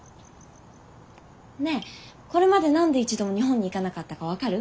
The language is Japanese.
ねえこれまで何で一度も日本に行かなかったか分かる？